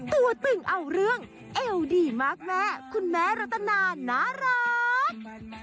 ตึงเอาเรื่องเอวดีมากแม่คุณแม่รัตนาน่ารัก